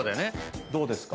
どうですか？